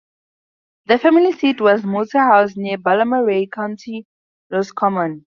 The family seat was Mote House, near Ballymurray, County Roscommon.